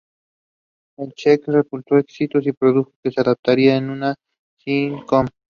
El "sketch" resultó exitoso y produjo que se adaptara en una sitcom.